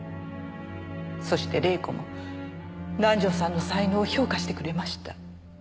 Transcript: そして麗子も南条さんの才能を評価してくれました。